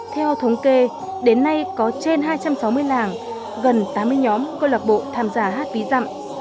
theo thống kê đến nay có trên hai trăm sáu mươi làng gần tám mươi nhóm cơ lạc bộ tham gia hát vĩ giảm